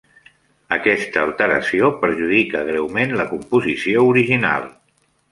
Aquesta alteració perjudica greument la composició original.